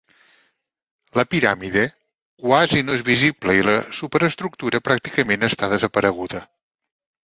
La piràmide quasi no és visible i la superestructura pràcticament està desapareguda.